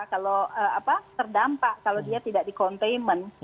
kalau terdampak kalau dia tidak di containment